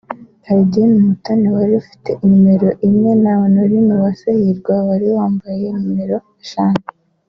Cardine Umutoni wari ufite nimero imwe na Honorine Uwase Hirwa wari wambaye nimero eshanu